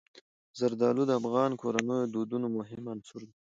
زردالو د افغان کورنیو د دودونو مهم عنصر دی.